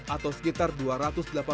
atau sekitar dua lima miliar dolar amerika